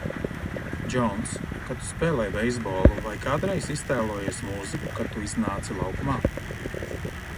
Džouns, kad tu spēlēji beisbolu, vai kādreiz iztēlojies mūziku, kad tu iznāci laukumā?